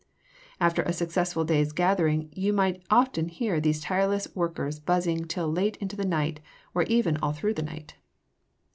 After a successful day's gathering you may often hear these tireless workers buzzing till late into the night or even all through the night.